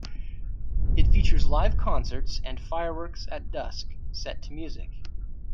It features live concerts and fireworks at dusk, set to music.